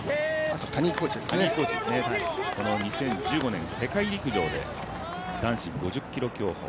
２０１５年、世界陸上で男子２０ｋｍ競歩。